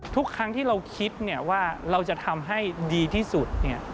ทุกครั้งที่เราคิดว่าเราจะทำให้ดีที่สุด